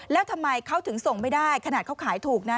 แล้วทำไมเขาถึงส่งไม่ได้ขนาดเขาขายถูกนะ